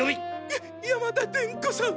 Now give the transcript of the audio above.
やっ山田伝子さん！